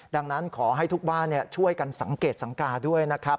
ดังนั้นขอให้ทุกบ้านช่วยกันสังเกตสังกาด้วยนะครับ